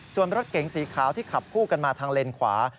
ส่วนรถเก๋งสีขาวที่ขับคู่กันมาทางเลนขวา